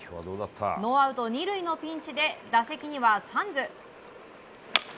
ノーアウト２塁のピンチで打席には、サンズ。